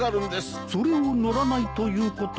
それを乗らないということは。